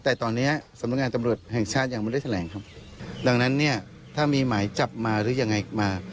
แต่ตอนนี้สำนักงานตำรวจแห่งชาติยังไม่ได้แถลงครับดังนั้นเนี่ยถ้ามีหมายจับมาหรือยังไงมา